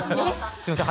すいません